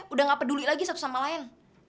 udah gak peduli lagi satu sama lain